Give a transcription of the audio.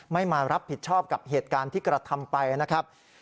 มารับผิดชอบกับเหตุการณ์ที่กระทำไปนะครับ